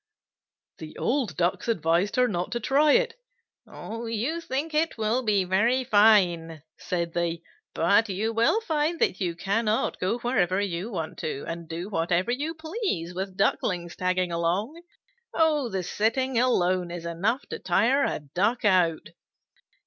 The old Ducks advised her not to try it. "You think it will be very fine," said they, "but you will find that you cannot go wherever you want to, and do whatever you please with Ducklings tagging along. The sitting alone is enough to tire a Duck out."